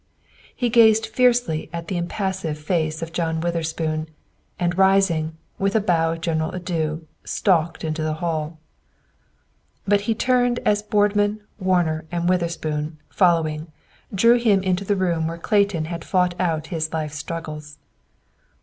He gazed fiercely at the impassive face of John Witherspoon, and rising, with a bow of general adieu, stalked into the hall. But he turned as Boardman, Warner, and Witherspoon, following, drew him into the room where Clayton had fought out his life struggles.